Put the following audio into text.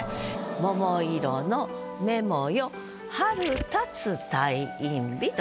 「桃色のメモよ春立つ退院日」と。